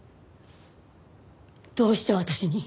どうして私に？